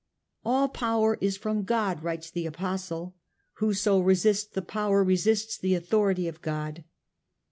' All power is from God,' writes the Apostle ;' whoso resists the power resists the authority of God.'